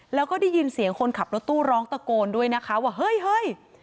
แล้วก็ได้ยินเสียงคนขับรถตู้ร้องตะโกนด้วยนะคะว่าเฮ้ยเฮ้ย